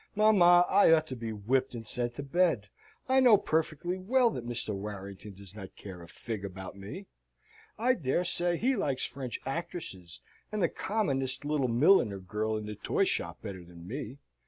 Mamma, I ought to be whipped, and sent to bed. I know perfectly well that Mr. Warrington does not care a fig about me. I dare say he likes French actresses and the commonest little milliner girl in the toy shop better than me.